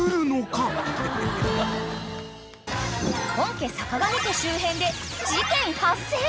［本家坂上家周辺で事件発生］